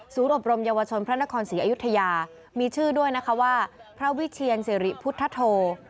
อบรมเยาวชนพระนครศรีอยุธยามีชื่อด้วยนะคะว่าพระวิเชียนสิริพุทธโธ